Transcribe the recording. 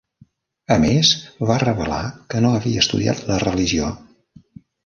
A més, va revelar que no havia estudiat la religió.